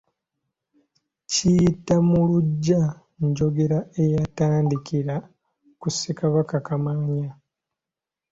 Kiyiyta mu luggya njogera eyatandikira ku Ssekabaka Kamaanya.